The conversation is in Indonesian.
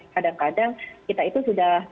kadang kadang kita itu sudah